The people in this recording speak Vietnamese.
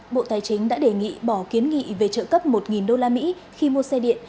bộ tài chính đã đề nghị bỏ kiến nghị về trợ cấp một usd khi mua xe điện